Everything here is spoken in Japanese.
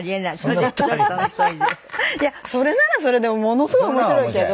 いやそれならそれでものすごい面白いけど。